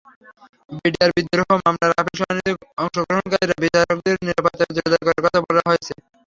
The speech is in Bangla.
বিডিআর বিদ্রোহ মামলার আপিল শুনানিতে অংশগ্রহণকারী বিচারকদের নিরাপত্তা জোরদার করার কথা বলা হয়েছে।